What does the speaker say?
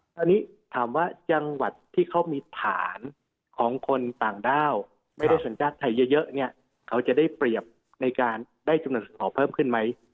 ตอนนี้ถามว่าจังหวัดที่เขามีฐานของคนต่างด้าวไม่ได้สัญชาติไทยเยอะเนี่ยเขาจะได้เปรียบในการได้จำนวนสหอเพิ่มขึ้นไหม